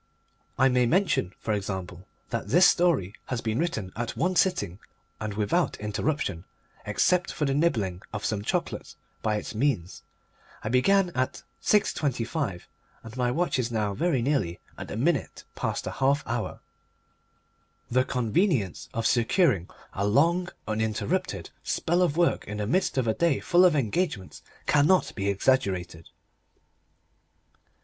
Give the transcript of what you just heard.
I may mention, for example, that this story has been written at one sitting and without interruption, except for the nibbling of some chocolate, by its means. I began at 6.25, and my watch is now very nearly at the minute past the half hour. The convenience of securing a long, uninterrupted spell of work in the midst of a day full of engagements cannot be exaggerated.